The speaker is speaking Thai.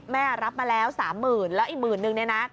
แม่รับมาแล้ว๓๐๐๐๐แล้วอีก๑๐๐๐๐นึงนะ